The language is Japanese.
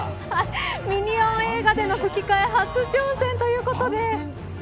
ミニオン映画での吹き替え初挑戦ということで。